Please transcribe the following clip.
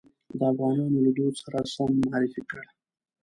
د افغانانو له دود سره سم معرفي کړ.